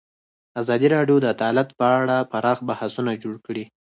ازادي راډیو د عدالت په اړه پراخ بحثونه جوړ کړي.